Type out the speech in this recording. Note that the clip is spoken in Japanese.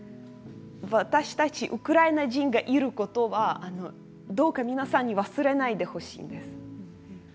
私たちウクライナ人がいることはどうか皆さんに忘れないでほしいんです。